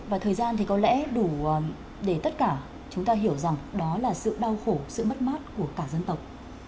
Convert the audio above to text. và thời gian thì có lẽ đủ để tất cả chúng ta hiểu rằng đó là sự đau khổ sự mất mát của cả dân tộc